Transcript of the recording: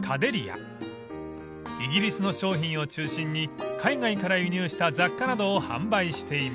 ［イギリスの商品を中心に海外から輸入した雑貨などを販売しています］